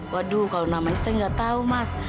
waduh kalau namanya saya gak tau mas